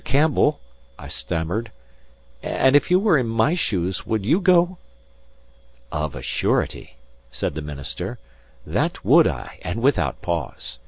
Campbell," I stammered, "and if you were in my shoes, would you go?" "Of a surety," said the minister, "that would I, and without pause.